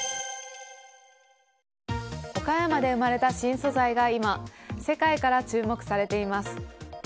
岡山で生まれた新素材が今、世界から注目されています。